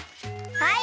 はい！